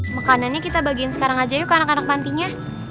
makanannya kita bagiin sekarang aja yuk anak anak mantinya